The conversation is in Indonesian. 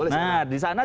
nah disana jelas